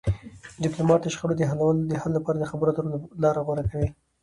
ډيپلومات د شخړو د حل لپاره د خبرو اترو لار غوره کوي.